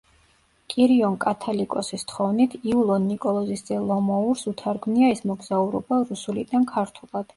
კირიონ კათალიკოსის თხოვნით, იულონ ნიკოლოზის ძე ლომოურს უთარგმნია ეს მოგზაურობა რუსულიდან ქართულად.